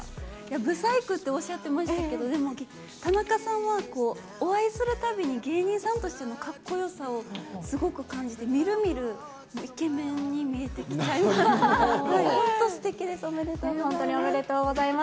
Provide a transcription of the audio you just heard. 不細工っておっしゃってましたけど、でも田中さんは、お会いするたびに芸人さんとしてのかっこよさをすごく感じて、みるみるイケメンに見えてきちゃいますよ、本当すてきです。おめでとうございます。